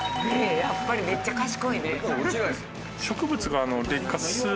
やっぱりめっちゃ賢いね。